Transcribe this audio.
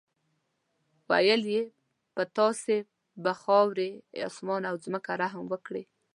ویل یې په تاسې به خاورې، اسمان او ځمکه رحم وکړي.